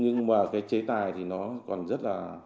nhưng mà cái chế tài thì nó còn rất là